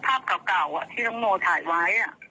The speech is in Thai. เพราะภาพเก่าที่น้องโน่ถ่ายไว้